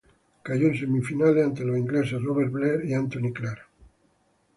Cayó en semifinales ante los ingleses Robert Blair y Anthony Clark.